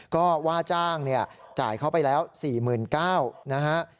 ก็ว่าจ้างเนี่ยจ่ายเข้าไปแล้ว๔๙๐๐๐บาทนะฮะ